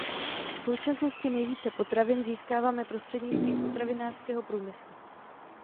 V současnosti nejvíce potravin získáváme prostřednictvím potravinářského průmyslu.